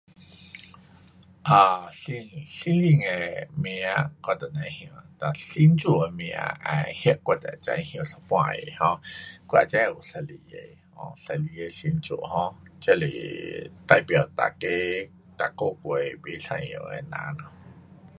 啊，星，星星的名我都甭晓，哒星座的名啊那我就会知晓一半个 um 我会知晓有十二个，um 十二个星座 um 这是代表每个，每个月不一样的人。